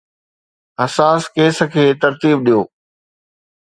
حساس ڪيس کي ترتيب ڏيو